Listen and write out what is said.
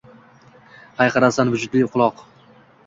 Hayqirasan — vujudi quloq